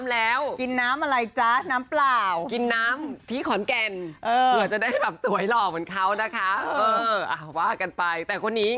แล้วก็กินน้ำเยอะอะไรแบบนี้